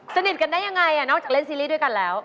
สนิทกันได้ยังไงนอกจากเล่นซีรีส์ด้วยกันแล้ว